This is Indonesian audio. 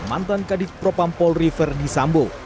mantan kadik propam polri ferdisambu